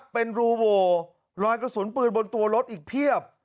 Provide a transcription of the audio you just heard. เป็นรูโหวรอยกระสุนปืนบนตัวรถอีกเพียบ